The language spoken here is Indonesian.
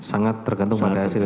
sangat tergantung pada hasilnya